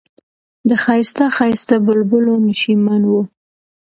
د ښایسته ښایسته بلبلو نشیمن و.